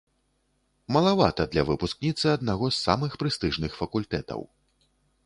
Малавата для выпускніцы аднаго з самых прэстыжных факультэтаў.